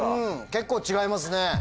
結構違いますね。